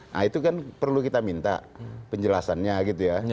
nah itu kan perlu kita minta penjelasannya gitu ya